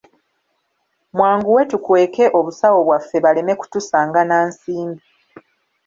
Mwanguwe tukweke obusawo bwaffe baleme kutusanga na nsimbi.